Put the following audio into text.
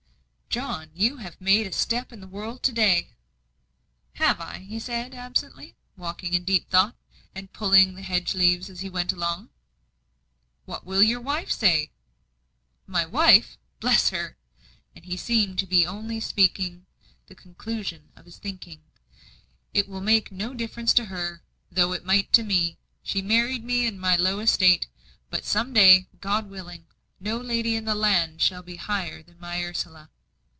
"John, you have made a step in the world to day." "Have I?" he said, absently, walking in deep thought, and pulling the hedge leaves as he went along. "What will your wife say?" "My wife? bless her!" and he seemed to be only speaking the conclusion of his thinking. "It will make no difference to her though it might to me. She married me in my low estate but some day, God willing, no lady in the land shall be higher than my Ursula."